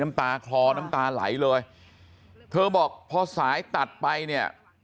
น้ำตาคลอน้ำตาไหลเลยเธอบอกพอสายตัดไปเนี่ย